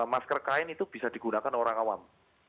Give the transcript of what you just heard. masker kain itu bisa digunakan orang awam